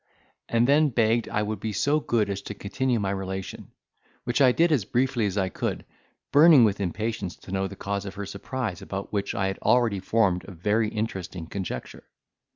and then begged I would be so good as to continue my relation; which I did as briefly as I could, burning with impatience to know the cause of her surprise, about which I had already formed a very interesting conjecture.